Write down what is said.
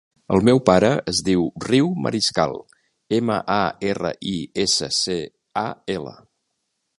El meu pare es diu Riu Mariscal: ema, a, erra, i, essa, ce, a, ela.